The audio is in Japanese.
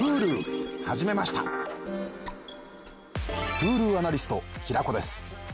Ｈｕｌｕアナリスト平子です。